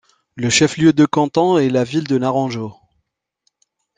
Le chef-lieu du canton est la ville de Naranjo.